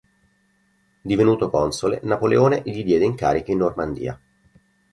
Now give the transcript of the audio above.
Divenuto console, Napoleone gli diede incarichi in Normandia.